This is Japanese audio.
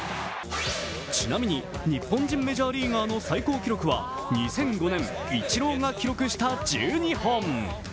ちなみに、日本人メジャーリーガーの最高記録は２００５年、イチローが記録した１２本。